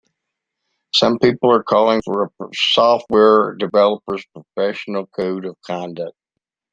Some people are calling for a software developers' professional code of conduct.